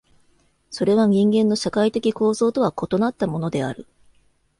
それは人間の社会的構造とは異なったものである。